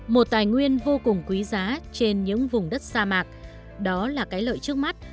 một tài nguyên vô cùng quý giá trên những vùng đất sa mạc đó là cái lợi trước mắt